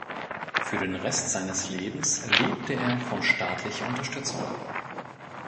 Für den Rest seines Lebens lebte er von staatlicher Unterstützung.